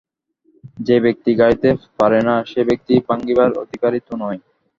যে ব্যক্তি গড়িতে পারে না সে ব্যক্তি ভাঙিবার অধিকারী তো নয়।